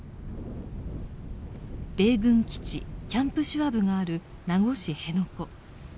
米軍基地キャンプ・シュワブがある名護市辺野古。